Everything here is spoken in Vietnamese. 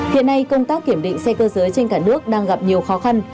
hiện nay công tác kiểm định xe cơ giới trên cả nước đang gặp nhiều khó khăn